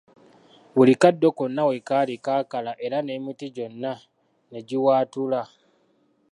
Buli kaddo konna wekaali kaakala era n'emiti gyonna negiwaatula.